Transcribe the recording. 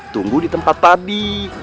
aku sudah menunggu di tempat tadi